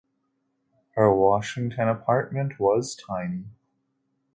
Her Washington apartment was tiny.